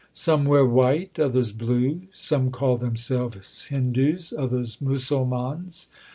Some wear white, others blue. Some call themselves Hindus, others Musalmans.